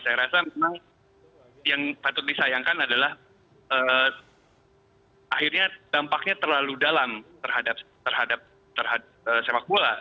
saya rasa memang yang patut disayangkan adalah akhirnya dampaknya terlalu dalam terhadap sepak bola